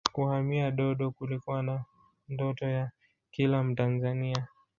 kuhamia dodo kulikuwa ni ndoto ya kila mtanzania